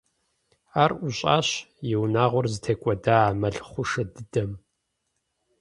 Ар ӀущӀащ и унагъуэр зытекӀуэда а мэл хъушэ дыдэм.